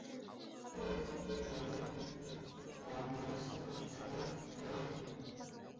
该巫金以流经其境内的白沙罗河命名。